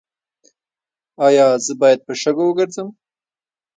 ایا زه باید په شګو وګرځم؟